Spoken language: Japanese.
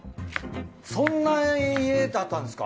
そんな家だったんですか。